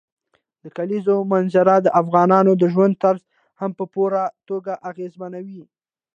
د کلیزو منظره د افغانانو د ژوند طرز هم په پوره توګه اغېزمنوي.